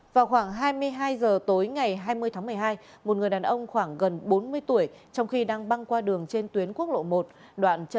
vào khoảng hai mươi hai h tối ngày hai mươi tháng một mươi hai một người đàn ông khoảng gần bốn mươi tuổi trong khi đang băng qua đường trên tuyến quốc lộ một đoạn